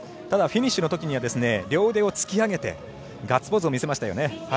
ただフィニッシュのときには両腕を突き上げてガッツポーズを見せましたよね。